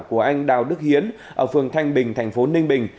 của anh đào đức hiến ở phường thanh bình thành phố ninh bình